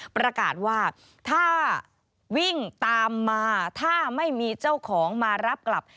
ประกาศว่าถ้าวิ่งตามมาถ้าไม่มีเจ้าของมารับกลับ